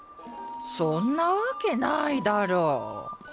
そんなわけないだろう。